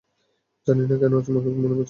জানি না কেন আজ মাকে খুব মনে পরছে।